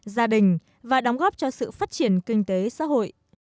gia đình và đóng góp cho sự phát triển kinh tế xã hội